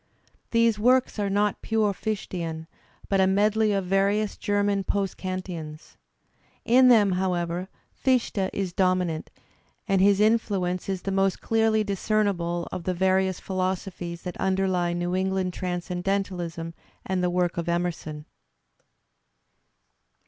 These works are not pure Fichtean, but a medley of various German post Kantians. In them, however, Fichte is dominant, and his influence is the most clearly discernible of the various philosophies that underlie New England Transcendentalism and the work of Emerson.